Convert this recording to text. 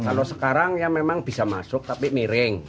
kalau sekarang ya memang bisa masuk tapi miring